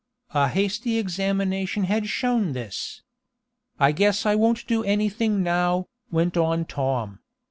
A hasty examination had shown this. "I guess I won't do anything now," went on Tom.